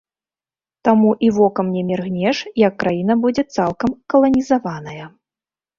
Таму і вокам не міргнеш, як краіна будзе цалкам каланізаваная.